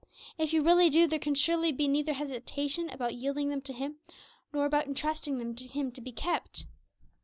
If you really do, there can surely be neither hesitation about yielding them to Him, nor about entrusting them to Him to be kept.